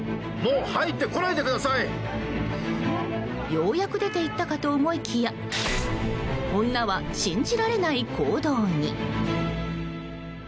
ようやく出て行ったかと思いきや女は信じられない行動に。